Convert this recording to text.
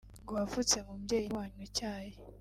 ngo wavutse mu mbyeyi ntiwanywa icyayi